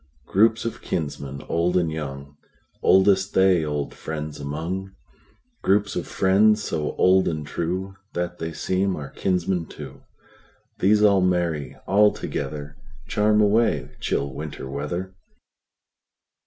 Groups of kinsmen, old and young, Oldest they old friends among; Groups of friends, so old and trueThat they seem our kinsmen too; These all merry all togetherCharm away chill Winter weather.